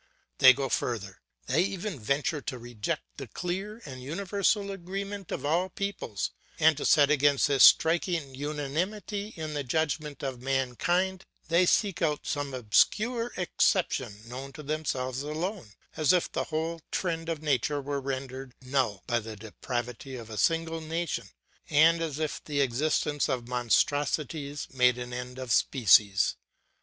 They go further; they even venture to reject the clear and universal agreement of all peoples, and to set against this striking unanimity in the judgment of mankind, they seek out some obscure exception known to themselves alone; as if the whole trend of nature were rendered null by the depravity of a single nation, and as if the existence of monstrosities made an end of species.